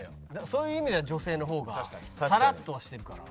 そういう意味では女性の方がサラッとはしてるから。